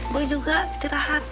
boy juga istirahat